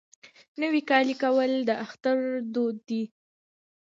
نوی کالی کول د اختر دود دی.